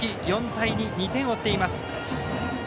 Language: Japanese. ４対２、２点を追っています。